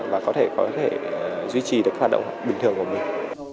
và có thể có thể duy trì được hoạt động bình thường của mình